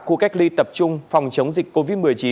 khu cách ly tập trung phòng chống dịch covid một mươi chín